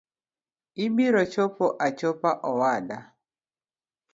Ibiro chopo achopa owada.